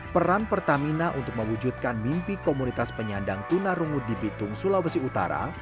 peran pertamina untuk mewujudkan mimpi komunitas penyandang tunarungu di bitung sulawesi utara